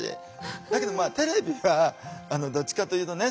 だけどテレビはどっちかというとね